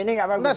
ini tidak bagus